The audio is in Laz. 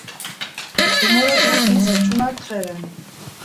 Emoraşakis çumertheren.